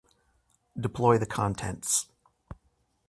Deploy the contents